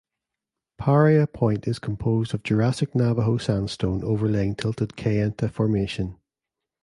Paria Point is composed of Jurassic Navajo sandstone overlaying tilted Kayenta Formation.